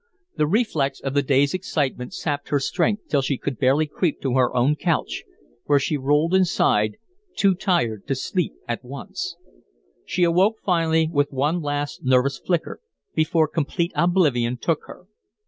The reflex of the day's excitement sapped her strength till she could barely creep to her own couch, where she rolled and sighed too tired to sleep at once. She awoke finally, with one last nervous flicker, before complete oblivion took her.